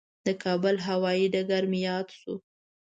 د کابل هوایي ډګر مې یاد شو.